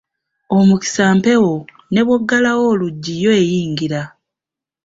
Omukisa mpewo, ne bw'oggalawo oluggi yo eyingira.